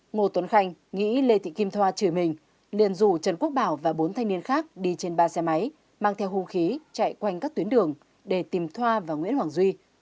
ngô tuấn khanh nghĩ lê thị kim thoa chửi mình liền rủ trần quốc bảo và bốn thanh niên khác đi trên ba xe máy mang theo hung khí chạy quanh các tuyến đường để tìm thoa và nguyễn hoàng duy